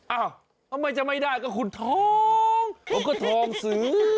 อ้าวทำไมจะไม่ได้ก็คุณท้องมันก็ทองเสื้อ